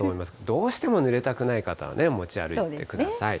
どうしてもぬれたくない方はね、持ち歩いてください。